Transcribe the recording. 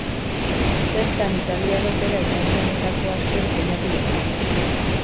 Bertan italiar opera ezagunenetako asko estreinatu dira.